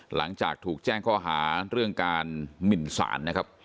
หลังจากถูกแจ้งก้อหาเรื่องการหมิ่นสาร